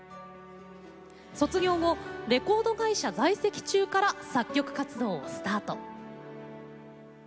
卒業後、レコード会社在籍中から作曲活動をスタート。